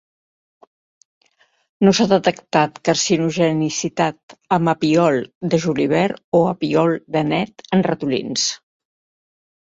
No s'ha detectat carcinogenicitat amb apiol de julivert o apiol d'anet en ratolins.